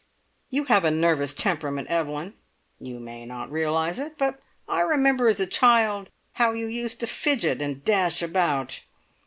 You have a nervous temperament, Evelyn. You may not realise it, but I remember as a child how you used to fidget and dash about.